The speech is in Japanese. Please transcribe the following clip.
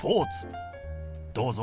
どうぞ。